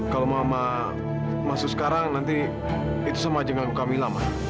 kalau mama masuk sekarang nanti itu semua aja ngangguk kamilah ma